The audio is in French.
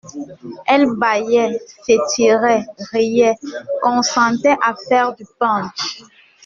Elle baillait, s'étirait, riait, consentait à faire du punch.